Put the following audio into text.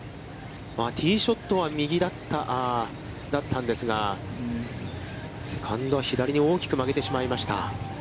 ティーショットは右だったんですが、セカンドは左に大きく曲げてしまいました。